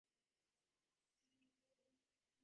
ހިތްގައިމު ކުލަތަކުން ފުރިފައިވާ އުފާވެރި މަންޒިލެއް